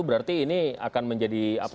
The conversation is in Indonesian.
berarti ini akan menjadi